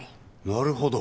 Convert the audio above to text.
なるほど。